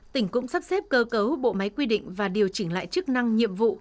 tỉnh cũng sắp xếp cơ cấu bộ máy quy định và điều chỉnh lại chức năng nhiệm vụ